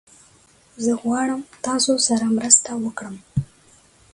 زه غواړم تاسره مرسته وکړم